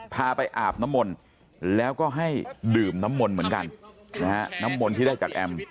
พาไปอาบน้ำมนต์แล้วก็ให้ดื่มน้ำมนต์เหมือนกันนะฮะน้ำมนต์ที่ได้จากแอม